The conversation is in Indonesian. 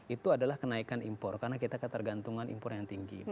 itu adalah kenaikan impor karena kita ketergantungan impor yang tinggi